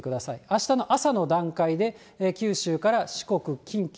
あしたの朝の段階で九州から四国、近畿、